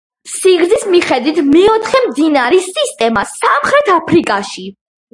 სიგრძის მიხედვით მეოთხე მდინარის სისტემაა სამხრეთ აფრიკაში.